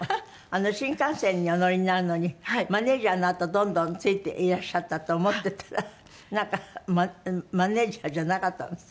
新幹線にお乗りになるのにマネジャーのあとどんどんついていらっしゃったと思ってたらなんかマネジャーじゃなかったんです？